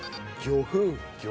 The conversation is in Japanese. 魚粉！